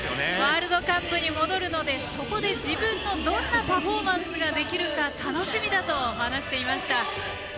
ワールドカップに戻るのでそこで自分のどんなパフォーマンスができるか楽しみだと話していました。